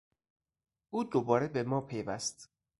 او دوباره به ماپیوست.